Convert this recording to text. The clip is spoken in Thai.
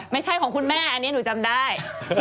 ไม่ใช่ของคุณแม่อันนี้หนูจำได้